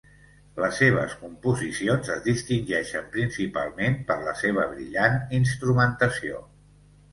Les seves composicions es distingeixen principalment per la seva brillant instrumentació.